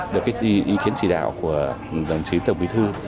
được cái ý kiến chỉ đạo của đồng chí tổng bí thư